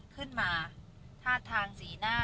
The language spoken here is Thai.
ขึ้นมาท่าทางสีหน้า